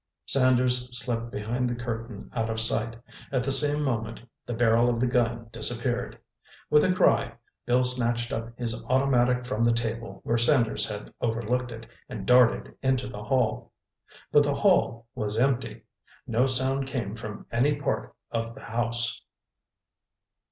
Sanders slipped behind the curtain out of sight. At the same moment the barrel of the gun disappeared. With a cry, Bill snatched up the automatic from the table where Sanders had overlooked it, and darted into the hall. But the hall was empty. No sound came from any part of the house.